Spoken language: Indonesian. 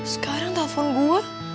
sekarang telepon gue